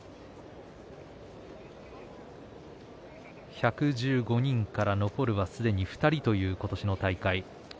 １１５人から残るは、すでに２人という今年の大会です。